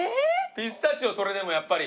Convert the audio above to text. ピスタチオそれでもやっぱり。